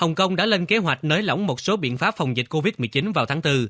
hồng kông đã lên kế hoạch nới lỏng một số biện pháp phòng dịch covid một mươi chín vào tháng bốn